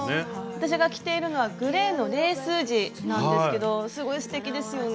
私が着ているのはグレーのレース地なんですけどすごいすてきですよね。